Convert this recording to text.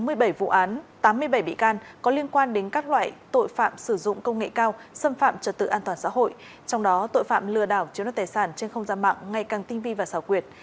cơ quan chức năng đã phát hiện và khởi tố bốn mươi bảy vụ án có liên quan đến các loại tội phạm sử dụng công nghệ cao xâm phạm trật tự an toàn xã hội trong đó tội phạm lừa đảo chiếu đoạt tài sản trên không gian mạng ngày càng tinh vi và xảo quyệt